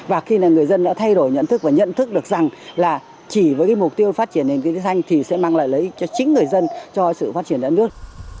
và khi là người dân đã thay đổi nhận thức và nhận thức được rằng là chỉ với mục tiêu phát triển nền kinh tế xanh thì sẽ mang lại lợi ích cho chính người dân cho sự phát triển đất nước